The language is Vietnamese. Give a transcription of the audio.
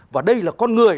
và đây là con người